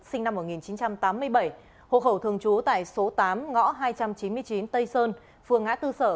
sinh năm một nghìn chín trăm tám mươi bảy hộ khẩu thường trú tại số tám ngõ hai trăm chín mươi chín tây sơn phường ngã tư sở